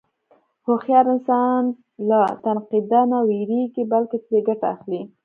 هوښیار انسان له تنقیده نه وېرېږي، بلکې ترې ګټه اخلي.